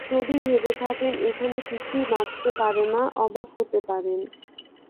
যদি ভেবে থাকেন এখানে কিছুই বাঁচতে পারে না, অবাক হতে পারেন।